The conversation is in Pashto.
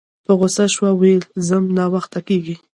په غوسه شوه ویل یې ځم ناوخته کیږي